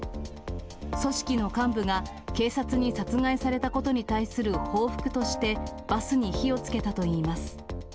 組織の幹部が警察に殺害されたことに対する報復としてバスに火をつけたといいます。